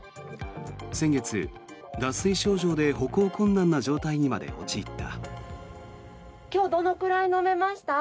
先月、脱水症状で歩行困難な状態にまで陥った。